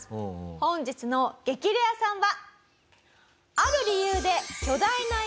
本日の激レアさんは。